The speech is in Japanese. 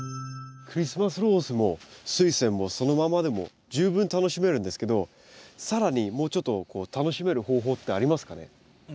クリスマスローズもスイセンもそのままでも十分楽しめるんですけど更にもうちょっと楽しめる方法ってありますかね？